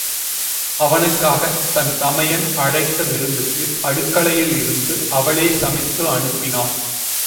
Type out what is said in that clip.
அவனுக்காகத் தன் தமையன் அழைத்த விருந்துக்கு அடுக்களையில் இருந்து அவளே சமைத்து அனுப்பினாள்.